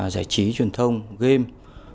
giải trí truyền thông game